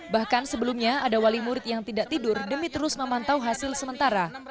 bahkan sebelumnya ada wali murid yang tidak tidur demi terus memantau hasil sementara